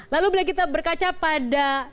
lalu bila kita berkaca pada